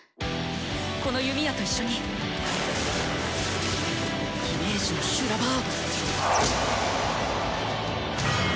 この弓矢と一緒にイメージの修羅場を。